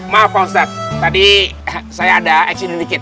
maaf pak ustadz tadi saya ada aksi di nekikin